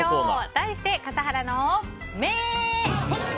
題して、笠原の眼！